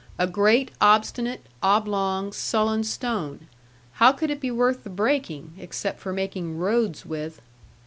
A great obstinate, oblong, sullen stone; how could it be worth the breaking, except for making roads with?